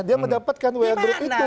dia mendapatkan way group itu